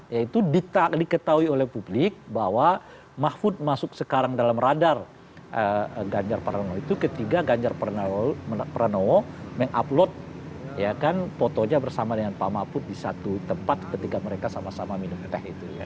yaitu diketahui oleh publik bahwa mahfud masuk sekarang dalam radar ganjar pranowo itu ketika ganjar pranowo mengupload fotonya bersama dengan pak mahfud di satu tempat ketika mereka sama sama minum teh itu